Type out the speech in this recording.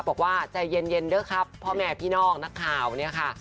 บอกว่าใจเย็นเด้อครับพ่อแม่พี่น้องนักข่าวเนี่ยค่ะ